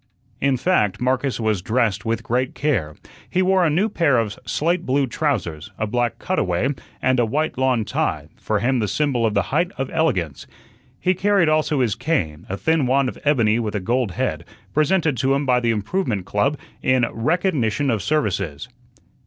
In fact, Marcus was dressed with great care. He wore a new pair of slate blue trousers, a black "cutaway," and a white lawn "tie" (for him the symbol of the height of elegance). He carried also his cane, a thin wand of ebony with a gold head, presented to him by the Improvement Club in "recognition of services."